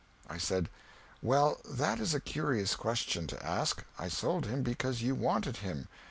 I said, "Well, that is a curious question to ask. I sold him because you wanted him.